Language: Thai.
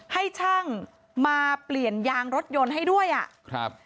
ให้ช่างมาเปลี่ยนยางรถยนต์ให้ด้วยอ่ะครับ